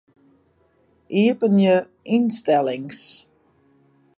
Iepenje ynstellings.